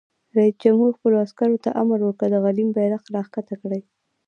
رئیس جمهور خپلو عسکرو ته امر وکړ؛ د غلیم بیرغ راکښته کړئ!